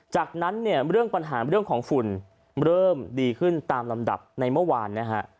จากนั้นเนี่ยเรื่องปัญหาเรื่องของฝุ่นเริ่มดีขึ้นตามลำดับในเมื่อวานนะฮะ